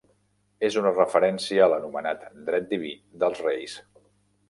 És una referència a l'anomenat dret diví dels reis.